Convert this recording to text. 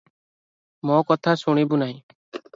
ମୋ’ କଥା ଶୁଣିବୁ ନାହିଁ?